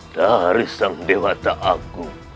dari sang dewata aku